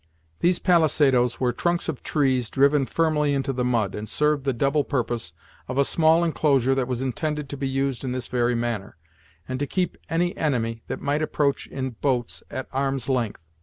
These palisadoes were trunks of trees driven firmly into the mud, and served the double purpose of a small inclosure that was intended to be used in this very manner, and to keep any enemy that might approach in boats at arm's length.